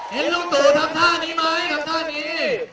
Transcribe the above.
เห็นลูกตัวทำท่านี้ไหมทำท่านี้